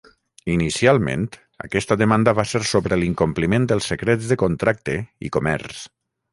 Inicialment, aquesta demanda va ser sobre l'incompliment dels secrets de contracte i comerç.